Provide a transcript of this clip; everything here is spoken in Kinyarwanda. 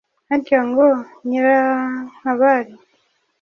Harya ngo nyirankabari